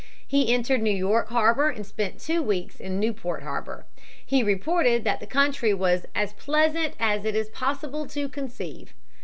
He entered New York harbor and spent two weeks in Newport harbor. He reported that the country was "as pleasant as it is possible to conceive."